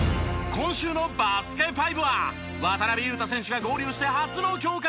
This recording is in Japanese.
今週の『バスケ☆ＦＩＶＥ』は渡邊雄太選手が合流して初の強化